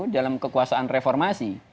dalam kekuasaan reformasi